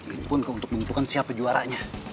ini pun untuk menentukan siapa juaranya